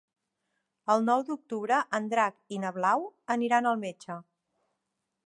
El nou d'octubre en Drac i na Blau aniran al metge.